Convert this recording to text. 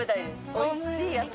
おいしいやつ。